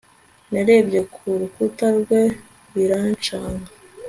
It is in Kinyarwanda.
narebye ku rutugu rwe biranshanga